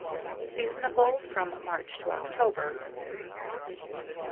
Seasonable from March to October.